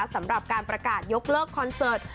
สำหรับการประกาศยกเลิกคอนเสิร์ต